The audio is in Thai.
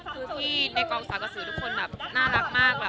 คือพี่ในกองสาวกระสือทุกคนแบบน่ารักมาก